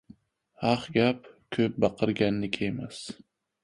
• Haq gap ko‘p baqirganniki emas.